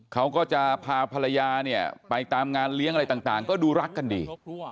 เขาก็จะพาภรรยาเนี่ยไปตามงานเลี้ยงอะไรต่างก็ดูรักกันดี